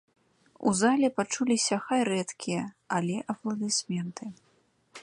У зале пачуліся хай рэдкія, але апладысменты.